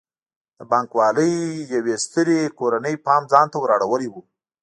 د بانک والۍ د یوې سترې کورنۍ پام ځان ته ور اړولی و.